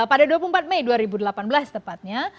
pada dua puluh empat mei dua ribu delapan belas tepatnya